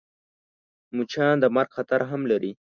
مچان د مرګ خطر هم لري